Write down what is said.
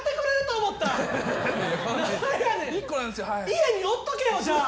家におっとけよじゃあ。